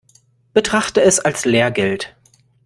Betrachte es als Lehrgeld.